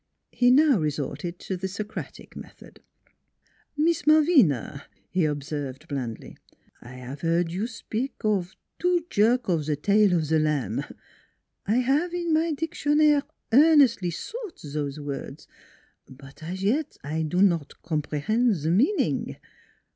He now resorted to the Socratic method: " Mees Malvina," he observed blandly, " I 'ave hear you spik of two jerk of ze tail of ze lamb. I have in my dictionnalre earnestly sought zose i 3 4 NEIGHBORS words; but as yet I do not comprehen' ze meaning.